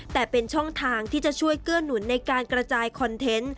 แต่เป็นช่องทางที่จะช่วยเกื้อหนุนในการกระจายคอนเทนต์